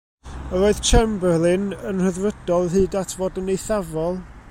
Yr oedd Chamberlain yn Rhyddfrydol hyd at fod yn eithafol.